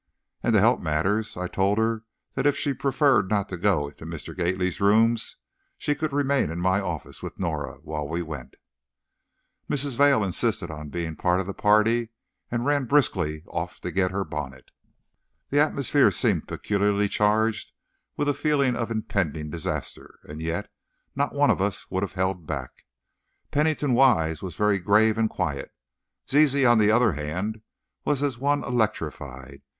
And to help matters, I told her that if she preferred not to go into Mr. Gately's rooms, she could remain in my office with Norah, while we went. Mrs. Vail insisted on being of the party, and ran briskly off to get her bonnet. The atmosphere seemed peculiarly charged with a feeling of impending disaster, and yet, not one of us would have held back. Pennington Wise was very grave and quiet; Zizi, on the other hand, was as one electrified.